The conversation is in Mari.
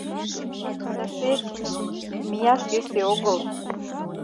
Тышеч... мияш йӧсӧ огыл...